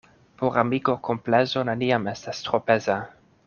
Por amiko komplezo neniam estas tro peza.